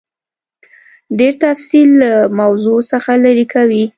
ډېر تفصیل له موضوع څخه لیرې کوي.